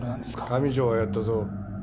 上條はやったぞ。